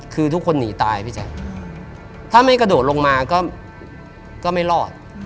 คือทุกคนหนีตายพี่แจ๊คถ้าไม่กระโดดลงมาก็ไม่รอด